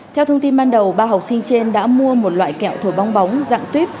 theo thông tin ban đầu ba học sinh trên đã mua một loại kẹo thổi bóng dạng tuyếp